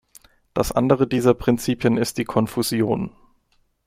Das andere dieser Prinzipien ist die Konfusion.